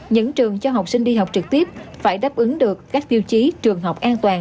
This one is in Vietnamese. những trường cho học sinh đi học trực tiếp phải đáp ứng được các tiêu chí trường học an toàn